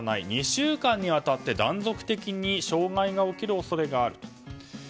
２週間にわたって断続的に障害が起きる恐れがある。